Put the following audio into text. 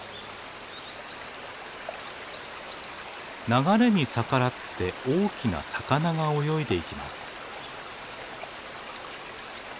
流れに逆らって大きな魚が泳いでいきます。